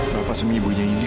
bapak seminggu nyayini dia